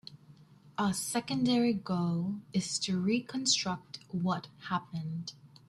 Our secondary goal is to reconstruct what happened.